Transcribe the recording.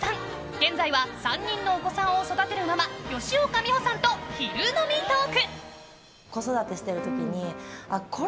現在は３人のお子さんを育てるママ吉岡美穂さんと昼飲みトーク。